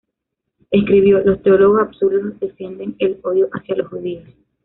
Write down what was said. Escribió: "Los teólogos absurdos defienden el odio hacia los judíos.